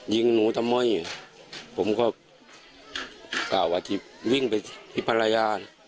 ยิงหนูทำไมผมก็กล่าวว่าที่วิ่งไปที่ภรรยา